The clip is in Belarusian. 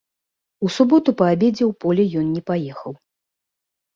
У суботу па абедзе ў поле ён не паехаў.